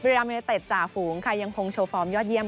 บริยามยตส์จ่าฝงค่ะยังพงโทรฟอร์มยอดเยี่ยม